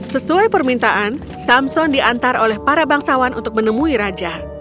sesuai permintaan samson diantar oleh para bangsawan untuk menemui raja